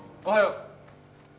おはよう。